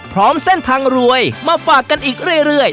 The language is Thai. พร้อมเส้นทางรวยมาฝากกันอีกเรื่อย